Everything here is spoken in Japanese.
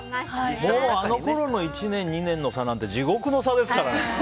もうあのころの１年、２年の差なんて地獄の差ですからね。